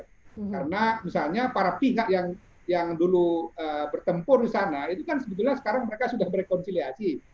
karena misalnya para pihak yang dulu bertempur di sana itu kan sebetulnya sekarang mereka sudah berkonfiliasi